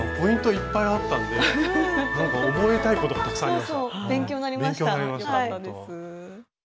いっぱいあったんで覚えたいことがたくさんありました。